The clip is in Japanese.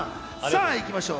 さぁ、いきましょう！